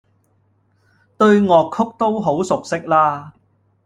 對樂曲都好熟悉啦